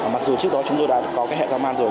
mặc dù trước đó chúng tôi đã có cái hệ giao man rồi